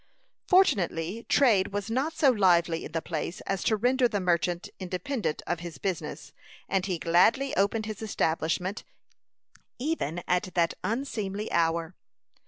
Fortunately trade was not so lively in the place as to render the merchant independent of his business, and he gladly opened his establishment even at that unseemly hour.